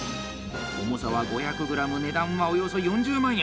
重さは、５００グラム値段は、およそ４０万円！